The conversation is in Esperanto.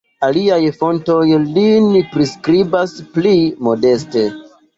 Aliaj fontoj lin priskribas pli modeste.